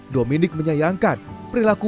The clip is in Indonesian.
dominic menyayangkan perilaku